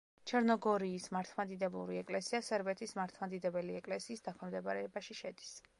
ჩერნოგორიის მართლმადიდებლური ეკლესია სერბეთის მართლმადიდებელი ეკლესიის დაქვემდებარებაში შედის.